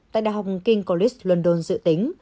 tại đại học king college london dự tính